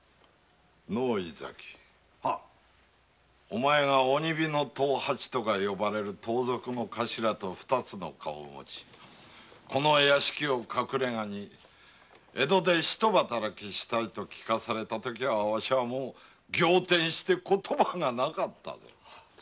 お前が鬼火の藤八とか呼ばれる盗賊のカシラと二つの顔をもちこの屋敷を隠れがに江戸で一働きしたいと聞かされたときはわしは仰天して言葉がなかったぞ。